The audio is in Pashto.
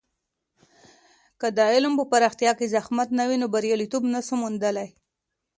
که د علم په پراختیا کې زحمت نه وي، نو بریالیتوب نسو موندلی.